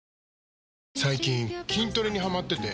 最近筋トレにハマってて。